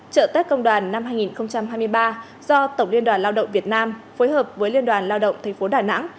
trợ tết công đoàn năm hai nghìn hai mươi ba do tổng liên đoàn lao động việt nam phối hợp với liên đoàn lao động tp đà nẵng